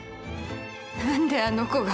何であの子が。